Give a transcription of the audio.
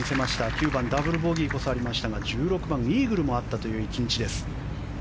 ９番、ダブルボギーこそありましたが１６番、イーグルもあったという１日です。